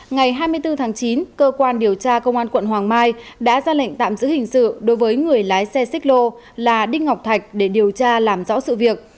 ngày hai mươi bốn tháng chín cơ quan điều tra công an quận hoàng mai đã ra lệnh tạm giữ hình sự đối với người lái xe xích lô là đinh ngọc thạch để điều tra làm rõ sự việc